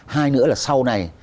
hai nữa là sau này